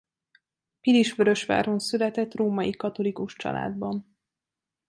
Pilisvörösváron született római katolikus családban.